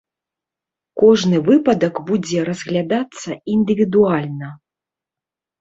Кожны выпадак будзе разглядацца індывідуальна.